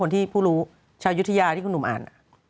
ที่ผู้รู้ชาวยุธยาที่คุณหนุ่มอ่าน